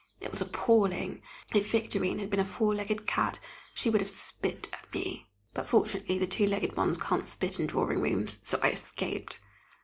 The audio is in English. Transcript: It was appalling! If Victorine had been a four legged cat, she would have spit at me, but fortunately the two legged ones can't spit in drawing rooms, so I escaped.